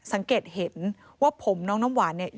สังเกตเห็นว่าผมน้องน้ำหวานเนี่ย